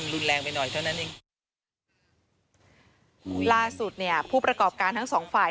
ล่าสุดผู้ประกอบการทั้ง๒ฝ่าย